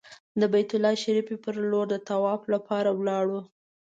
د بیت الله شریفې پر لور د طواف لپاره ولاړو.